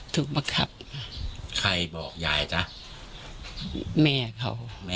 ถูกบังคับใครบอกยายจ๊ะแม่เขาแม่